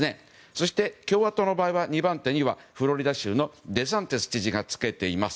そして、共和党の場合は２番手には、フロリダ州のデサンティス知事がつけてます。